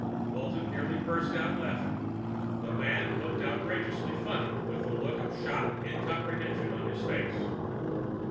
_" Walton nearly burst out laughing; the man looked outrageously funny with that look of shocked incomprehension on his face.